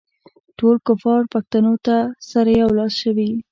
ټول کفار پښتنو ته سره یو لاس شوي.